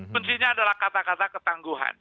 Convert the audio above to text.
kuncinya adalah kata kata ketangguhan